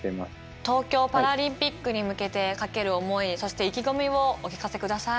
東京パラリンピックに向けてかける思いそして意気込みをお聞かせください。